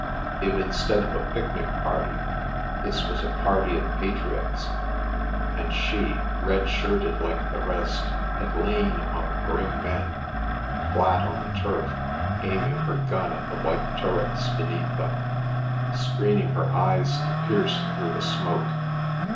If, instead of a picnic party, this was a party of patriots, and she, red shirted like the rest, had lain among grim men, flat on the turf, aiming her gun at the white turrets beneath them, screening her eyes to pierce through the smoke!